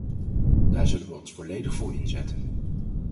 Daar zullen wij ons volledig voor inzetten.